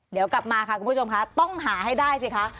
เดี๋ยวกลับมาค่ะคุณผู้ชมค่ะต้องหาให้ได้สิคะ